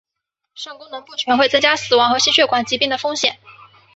肾功能不全会增加死亡和心血管疾病的风险。